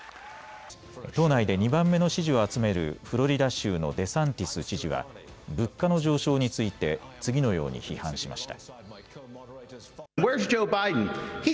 党内で２番目の支持を集めるフロリダ州のデサンティス知事は物価の上昇について次のように批判しました。